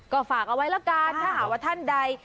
ก็ฝากเอาไว้แล้วกันถ้าหากว่าท่านใด